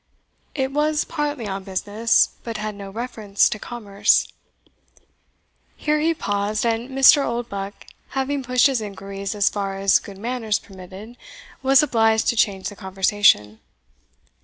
"It was partly on business, but had no reference to commerce." Here he paused; and Mr. Oldbuck, having pushed his inquiries as far as good manners permitted, was obliged to change the conversation.